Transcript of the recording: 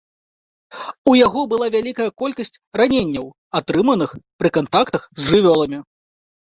У яго была вялікая колькасць раненняў, атрыманых пры кантактах з жывёламі.